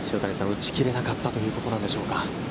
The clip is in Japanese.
打ち切れなかったということなんでしょうか。